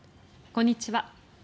こんにちは。